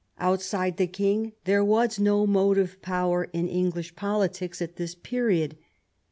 Outside the king there was no motive power in English politics at this period.